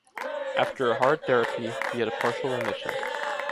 After a hard therapy, he had a partial remission.